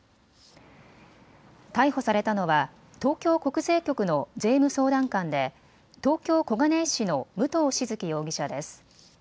逮捕されたのは東京国税局の税務相談官で東京小金井市の武藤静城容疑者です。